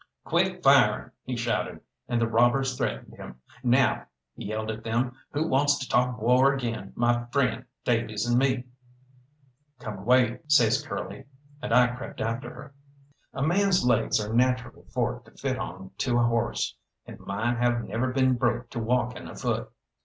"Quit firing!" he shouted, and the robbers threatened him. "Now," he yelled at them, "who wants to talk war agin my friend Davies and me?" "Come away," says Curly; and I crept after her. A man's legs are naturally forked to fit onto a horse, and mine have never been broke to walking afoot.